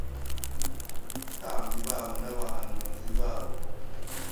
n’abatambyi babo n’abahanuzi babo,